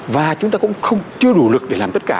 và chúng ta cũng chưa đủ lực để làm tất cả